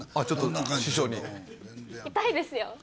ちょっと師匠に痛いですよ